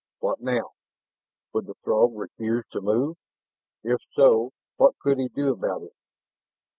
What now? Would the Throg refuse to move? If so, what could he do about it?